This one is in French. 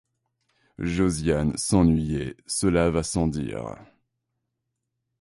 Josiane s’ennuyait, cela va sans dire.